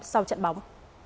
sau trận bóng